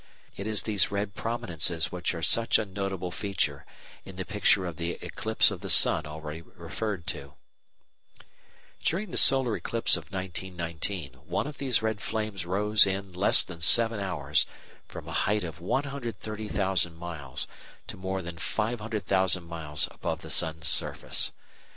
It is these red "prominences" which are such a notable feature in the picture of the eclipse of the sun already referred to. During the solar eclipse of 1919 one of these red flames rose in less than seven hours from a height of 130,000 miles to more than 500,000 miles above the sun's surface.